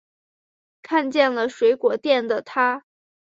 看见了水果店的她